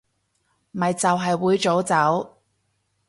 咪就係會早走